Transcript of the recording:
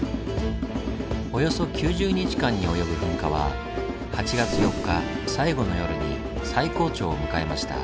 およそ９０日間に及ぶ噴火は８月４日最後の夜に最高潮を迎えました。